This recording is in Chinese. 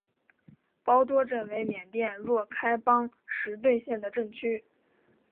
包多镇为缅甸若开邦实兑县的镇区。